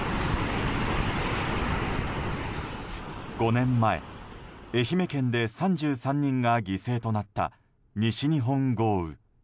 ５年前、愛媛県で３３人が犠牲となった西日本豪雨。